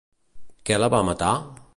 Què la va matar?